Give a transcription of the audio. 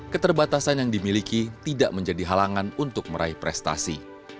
keterbatasan yang dimiliki tidak menjadi halangan untuk meraih prestasi